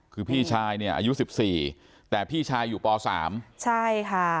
คือพี่ชายเนี่ยอายุสิบสี่แต่พี่ชายอยู่ป๓ใช่ค่ะ